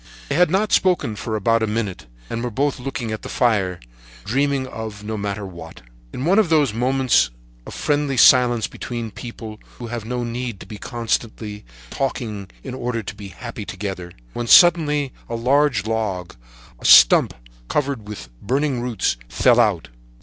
They had not spoken for about a minute, and were both looking at the fire, dreaming of no matter what, in one of those moments of friendly silence between people who have no need to be constantly talking in order to be happy together, when suddenly a large log, a stump covered with burning roots, fell out.